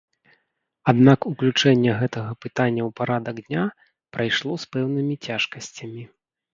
Аднак уключэнне гэтага пытання ў парадак дня прайшло з пэўнымі цяжкасцямі.